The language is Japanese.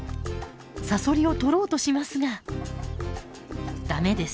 サソリをとろうとしますがダメです。